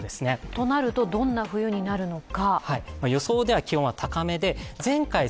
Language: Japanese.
となると、どんな冬になるのか。